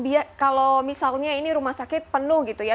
dia kalau misalnya ini rumah sakit penuh gitu ya